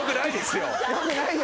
よくないよ。